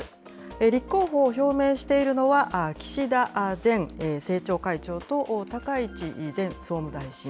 立候補を表明しているのは岸田前政調会長と高市前総務大臣。